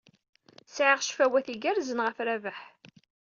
Sɛiɣ ccfawat igerrzen ɣef Rabaḥ.